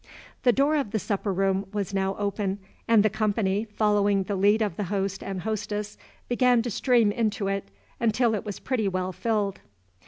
The door of the supper room was now open, and the company, following the lead of the host and hostess, began to stream into it, until it was pretty well filled.